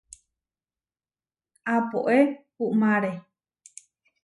Apoé uʼmáre.